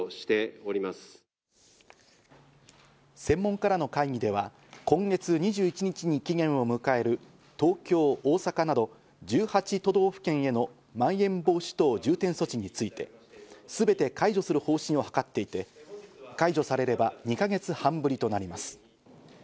専門家らの会議では今月２１日に期限を迎える東京、大阪など１８都道府県へのまん延防止等重点措置について全て解除する方針を諮っていて、解除されれば２か月半ぶりとなります。